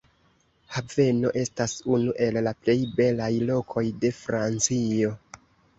Haveno estas unu el la plej belaj lokoj de Francio.